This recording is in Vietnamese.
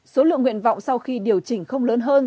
số lượng nguyện vọng sau khi điều chỉnh không lớn hơn